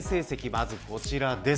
まず、こちらです。